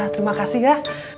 terima kasih ya